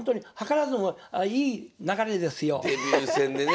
デビュー戦でね。